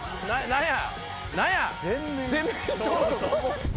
何や？